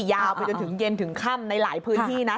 ยาวไปจนถึงเย็นถึงค่ำในหลายพื้นที่นะ